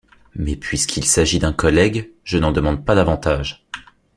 Mais puisqu’il s’agit d’un collègue, je n’en demande pas davantage.